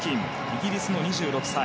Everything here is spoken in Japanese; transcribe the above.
イギリスの２６歳。